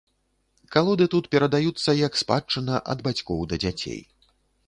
Калоды тут перадаюцца як спадчына ад бацькоў да дзяцей.